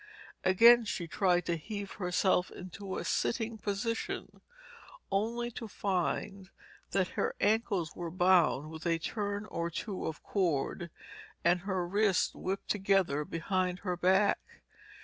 Again she tried to heave herself into a sitting position, only to find that her ankles were bound with a turn or two of cord, and her wrists whipped together behind her back.